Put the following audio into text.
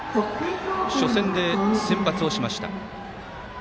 初戦で先発をしました。